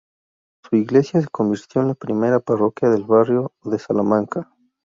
Su iglesia se convirtió en la primera parroquia del Barrio de Salamanca.